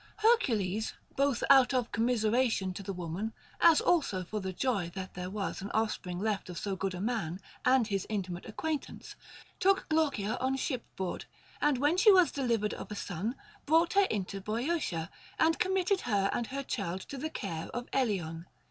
Hercules, both out of commiseration to the woman, as also for joy that there was an offspring left of so good a man and his intimate acquaintance, took Glaucia on shipboard ; and when she was delivered of a son, brought her into Boeotia, and com mitted her and her child to the care of Eleon.